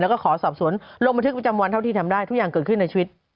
แล้วก็ขอสอบสวนลงบันทึกประจำวันเท่าที่ทำได้ทุกอย่างเกิดขึ้นในชีวิต